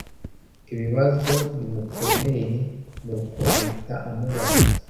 ibibazo bimukomereye nuko ahita amubaza